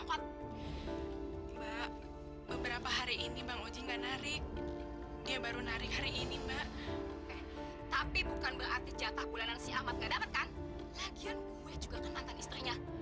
sampai jumpa di video selanjutnya